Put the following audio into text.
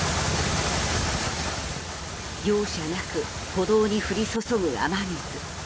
容赦なく歩道に降り注ぐ雨水。